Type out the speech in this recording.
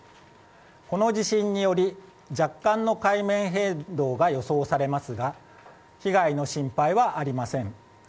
この地震により若干の海面変動が予想されますが被害の心配はありません。